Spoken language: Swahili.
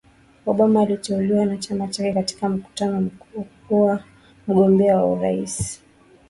Obama aliteuliwa na chama chake katika mkutano mkuu kuwa mgombea wa uraisi